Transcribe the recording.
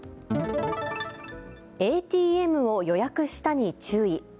ＡＴＭを予約したに注意。